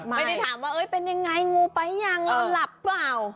ไม่ได้ถามว่าเป็นยังไงงูไปยังนอนหลับเปล่า